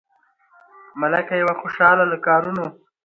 ملکه یې وه خوشاله له کارونو